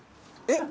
えっ！